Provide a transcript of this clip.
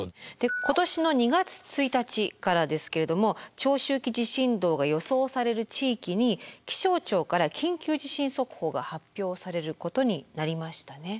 今年の２月１日からですけれども長周期地震動が予想される地域に気象庁から緊急地震速報が発表されることになりましたね。